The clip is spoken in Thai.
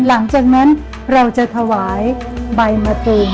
หลังจากนั้นเราจะถวายใบมะตูม